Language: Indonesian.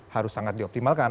harus sangat dioptimalkan